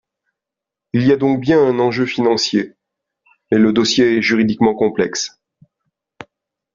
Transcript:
Il y a donc bien un enjeu financier, mais le dossier est juridiquement complexe.